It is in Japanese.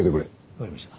わかりました。